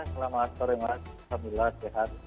selamat sore mas alhamdulillah sehat